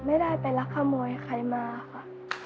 ไม่ได้ไปรักขโมยใครมาค่ะ